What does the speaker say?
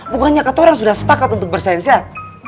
bukannya kata orang sudah sepakat untuk bersensial